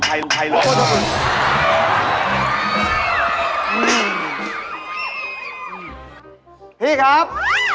เพียงครับ